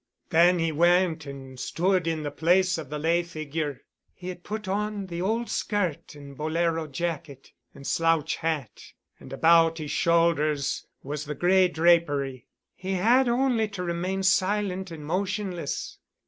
Then he went and stood in the place of the lay figure. He had put on the old skirt and bolero jacket, and slouch hat, and about his shoulders was the gray drapery. He had only to remain silent and motionless.